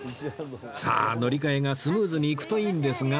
さあ乗り換えがスムーズにいくといいんですが